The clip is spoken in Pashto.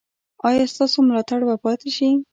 ایا ستاسو ملاتړ به پاتې شي؟